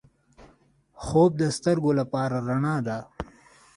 خوب د سترګو لپاره رڼا ده